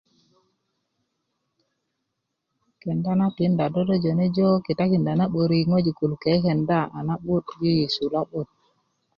kenda na tikinda do do jojo ŋarakinda na 'barik ŋojik köluk keekenda a na'but yeyesu lo'bit